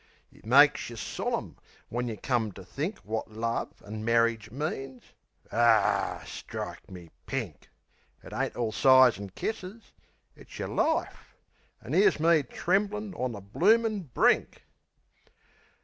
It makes yeh solim when yeh come to think Wot love and marridge means. Ar, strike me pink! It ain't all sighs and kisses. It's yer life. An' 'ere's me tremblin' on the bloomin' brink.